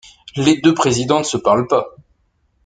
Les deux présidents ne se parlent pas.